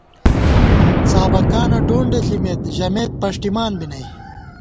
څابَکانہ ڈونڈے ݪِمېت ، ژمېت پݭٹِمان بی نئ